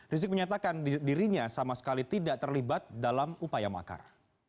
rizik menyatakan dirinya sama sekali tidak terlibat dalam upaya makar